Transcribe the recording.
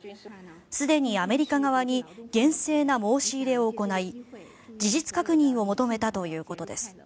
すでにアメリカ側に厳正な申し入れを行い事実確認を求めたということです。